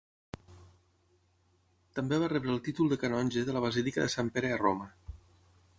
També va rebre el títol de canonge de la basílica de Sant Pere a Roma.